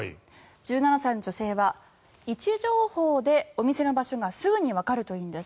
１７歳の女性は位置情報でお店の場所がすぐにわかるというんです。